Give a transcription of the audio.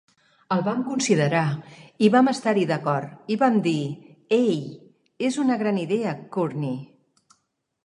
El vam considerar i vam estar-hi d'acord i vam dir: "Ei, és una gran idea, Courtney".